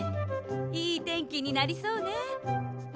いいてんきになりそうね。